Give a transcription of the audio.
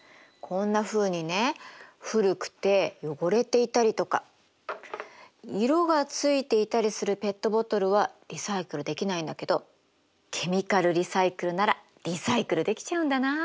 こんなふうにね古くて汚れていたりとか色がついていたりするペットボトルはリサイクルできないんだけどケミカルリサイクルならリサイクルできちゃうんだなあ。